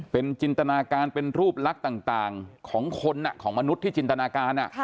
เป็นจินตนาการเป็นรูปลักษณ์ต่างของคนของมนุษย์ที่จินตนาการ